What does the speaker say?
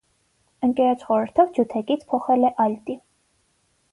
Ընկերոջ խորհրդով ջութակից փոխվել է ալտի։